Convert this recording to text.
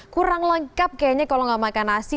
kurang lengkap kayaknya kalau nggak makan nasi